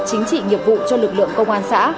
chính trị nghiệp vụ cho lực lượng công an xã